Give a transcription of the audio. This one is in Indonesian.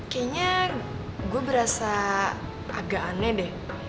kayaknya gue berasa agak aneh deh